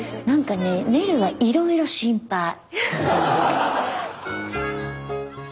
なんかねねるはいろいろ心配。